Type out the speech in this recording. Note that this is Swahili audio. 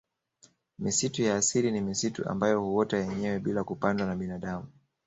Misitu ya asili ni misitu ambayo huota yenyewe bila kupandwa na binadamu